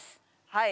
はい。